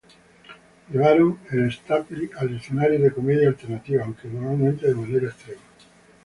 Llevaron el slapstick al escenario de comedia alternativa, aunque normalmente de manera extrema.